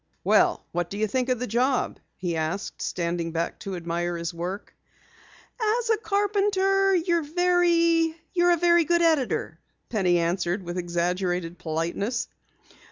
"Well, what do you think of the job?" he asked, standing back to admire his work. "As a carpenter you're a very good editor," Penny answered with exaggerated politeness.